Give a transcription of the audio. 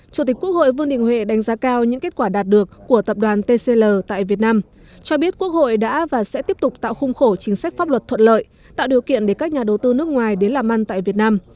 chủ tịch quốc hội vương đình huệ đánh giá cao những kết quả đạt được của tập đoàn tcl tại việt nam cho biết quốc hội đã và sẽ tiếp tục tạo khung khổ chính sách pháp luật thuận lợi tạo điều kiện để các nhà đầu tư nước ngoài đến làm ăn tại việt nam